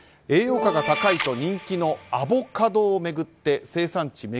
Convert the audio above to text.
栄養価が高いと人気のアボカドを巡って生産地